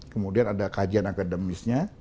kemudian ada kajian akademisnya